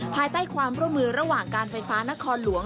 ภายใต้ความร่วมมือระหว่างการไฟฟ้านครหลวง